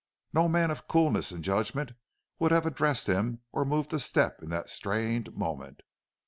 No man of coolness and judgment would have addressed him or moved a step in that strained moment.